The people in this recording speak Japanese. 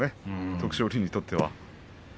徳勝龍にとっては。